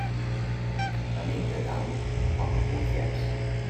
Amic de taula, poca confiança.